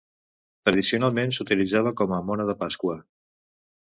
Tradicionalment s'utilitzava com a mona de Pasqua.